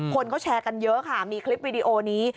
คนเขาแชร์กันเยอะค่ะมีคลิปวิดีโอนี้